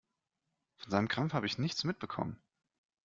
Von seinem Krampf habe ich nichts mitbekommen.